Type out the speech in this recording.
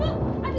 aduh bu bu bu